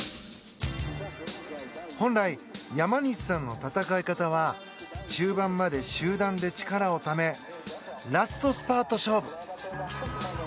本来、山西さんの戦い方は中盤まで集団で力をためラストスパート勝負。